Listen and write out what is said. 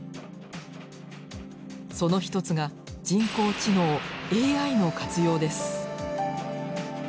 その一つが人工知能ＡＩの活用です。